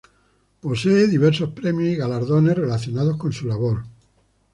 Posee diversos premios y galardones relacionados con su labor.